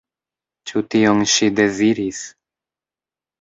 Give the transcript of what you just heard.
Ĉu tion ŝi deziris?